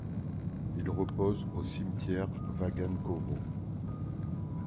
Il repose au Cimetière Vagankovo.